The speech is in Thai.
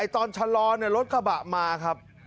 ตอนชะลอรถกระบะมาครับ